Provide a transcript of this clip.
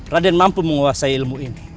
raden mampu menguasai ilmu ini